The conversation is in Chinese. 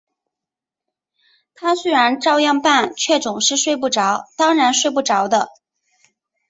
他虽然照样办，却总是睡不着，当然睡不着的